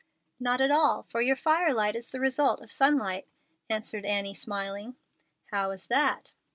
"Not at all, for your firelight is the result of sunlight." answered Annie, smiling. "How is that?"